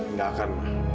nggak akan ma